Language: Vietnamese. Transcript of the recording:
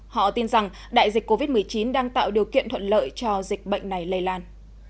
họ tin rằng đại dịch covid một mươi chín đang tạo điều kiện thuận lợi cho dịch bệnh này lây lan